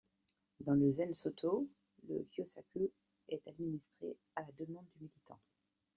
Dans le Zen Sōtō, le kyosaku est administré à la demande du méditant.